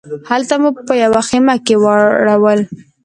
هلته مو په یوه خیمه کې واړول.